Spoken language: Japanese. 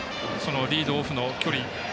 リードオフの距離。